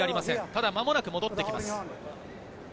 ただ間もなく戻ってきます。